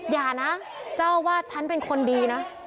อย่านะเจ้าวาดฉันเป็นคนดีนะ